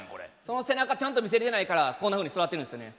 その背中ちゃんと見せれてないからこんなふうに育ってるんですよね。